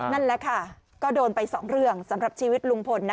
นั่นแหละค่ะก็โดนไป๒เรื่องสำหรับชีวิตลุงพล